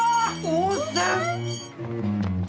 温泉！？